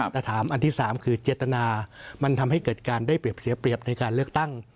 แต่ถามอันที่๓คือเจตนามันทำให้เกิดการได้เปรียบเสียเปรียบในการเลือกตั้ง